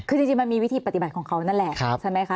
คือจริงมันมีวิธีปฏิบัติของเขานั่นแหละใช่ไหมคะ